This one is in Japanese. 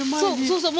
そうそう。